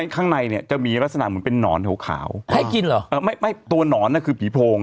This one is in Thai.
ข้างในเนี่ยจะมีลักษณะเหมือนเป็นนอนขาวขาวให้กินเหรอเออไม่ไม่ตัวหนอนน่ะคือผีโพรง